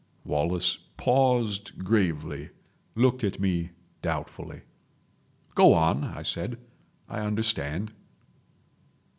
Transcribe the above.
Wallace paused gravely—looked at me doubtfully. "Go on," I said. "I understand."